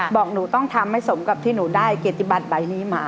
บอกหนูต้องทำให้สมกับที่หนูได้เกียรติบัตรใบนี้มา